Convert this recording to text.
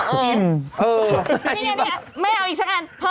เออนี่ไงแม่เอาอีกสักอันเพิ่มวิตามินหน่อย